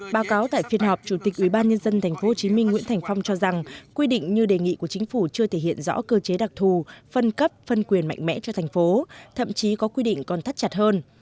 báo cáo tại phiên họp chủ tịch ubnd tp hcm nguyễn thành phong cho rằng quy định như đề nghị của chính phủ chưa thể hiện rõ cơ chế đặc thù phân cấp phân quyền mạnh mẽ cho thành phố thậm chí có quy định còn thắt chặt hơn